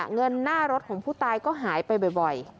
เงินหน้ารถของผู้ตายก็หายไปบ่อย